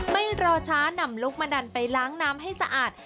ไม่รอช้านำลูกมะดันไปล้างน้ำให้สะอาด